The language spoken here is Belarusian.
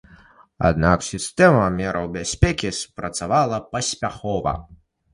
Аднак сістэма мераў бяспекі спрацавала паспяхова.